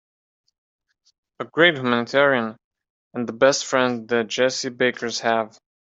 A great humanitarian and the best friend the Jessie Bakers have.